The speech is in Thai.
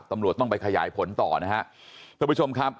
ตำรวจต้องไปขยายผลต่อนะฮะท่านผู้ชมครับ